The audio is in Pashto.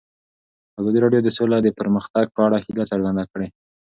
ازادي راډیو د سوله د پرمختګ په اړه هیله څرګنده کړې.